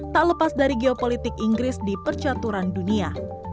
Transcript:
tak lepas dari geopolitik inggris di percaturan dunia